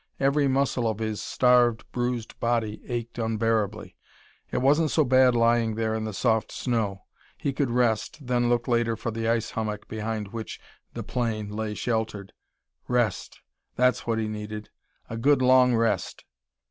Every muscle of his starved, bruised body ached unbearably. It wasn't so bad lying there in the soft snow. He could rest, then look later for the ice hummock behind which the plane lay sheltered. Rest! That's what he needed, a good long rest.